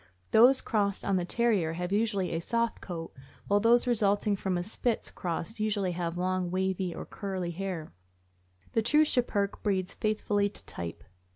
Those crossed on the Terrier have usually a soft coat, while those resulting from a Spitz cross usually have long wavy or curly hair. The true Schipperke breeds faithfully to type.